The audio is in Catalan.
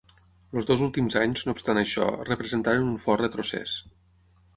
Els dos últims anys, no obstant això, representaren un fort retrocés.